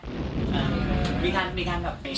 มีครั้งมีครั้งแบบ